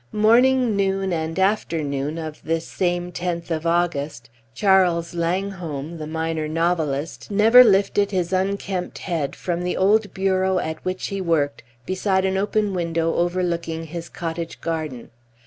Morning, noon, and afternoon of this same tenth of August, Charles Langholm, the minor novelist, never lifted his unkempt head from the old bureau at which he worked, beside an open window overlooking his cottage garden.